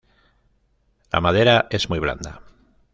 La madera es muy blanda.